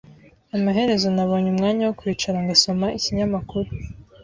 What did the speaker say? Amaherezo nabonye umwanya wo kwicara ngasoma ikinyamakuru.